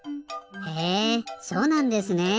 へえそうなんですねえ。